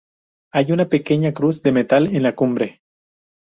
Hay una pequeña cruz de metal en la cumbre.